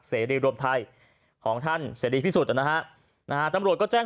เสรีรวมไทยของท่านเสรีพิสุทธิ์นะฮะนะฮะตำรวจก็แจ้ง